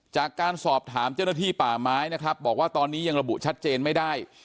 จากการสอบถามเจ้าหน้าที่ป่าไม้นะครับบอกว่าตอนนี้ยังระบุชัดเจนไม่ได้